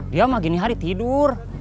dia mah gini hari tidur